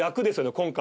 今回。